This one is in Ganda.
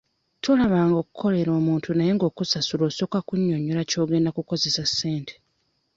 Tolabanga okukolera omuntu naye ng'okukusasula osooka kunnyonyola ky'ogenda okukozesa ssente.